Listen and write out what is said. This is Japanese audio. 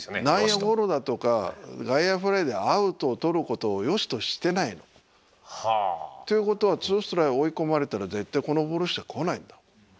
内野ゴロだとか外野フライでアウトを取ることをよしとしてないの。ということは２ストライク追い込まれたら絶対このボールしか来ないんだ。